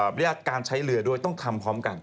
บริญญาติการใช้เรือต้องทำพร้อมกัน